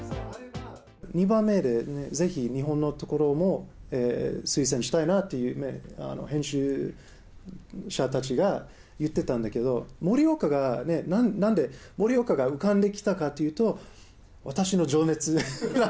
２番目で、ぜひ日本の所も推薦したいなという、編集者たちが言ってたんだけど、盛岡が、なんで盛岡が浮かんできたかというと、私の情熱。